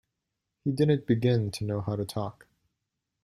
He didn’t begin to know how to talk.